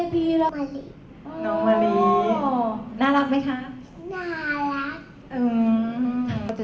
ปล่อนมาแล้วค่ะคุณแม่